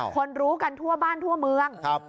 คนรู้กันทั่วบ้านทั่วเมือง